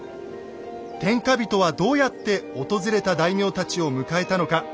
天下人はどうやって訪れた大名たちを迎えたのか。